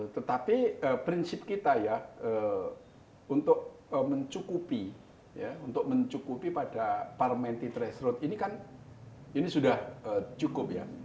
tetapi prinsip kita ya untuk mencukupi pada parmenti teresrut ini kan ini sudah cukup ya